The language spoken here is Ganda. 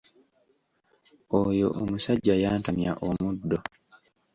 Oyo omusajja yantamya omuddo.